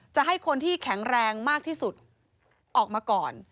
จะให้คนที่แข็งแรงมากที่สุดออกมาก่อน